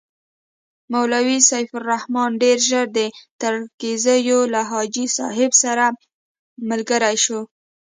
مولوي سیف الرحمن ډېر ژر د ترنګزیو له حاجي صاحب سره ملګری شو.